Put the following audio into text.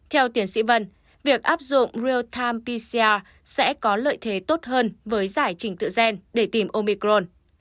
theo tiến sĩ vân việc áp dụng real time pcr sẽ có lợi thế tốt hơn với giải trình tự gen để tìm omicron